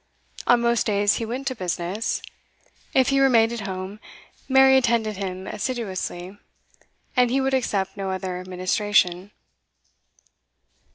On most days he went to business; if he remained at home, Mary attended him assiduously, and he would accept no other ministration.